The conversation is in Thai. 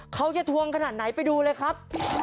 ทวงขนาดไหนไปดูเลยครับ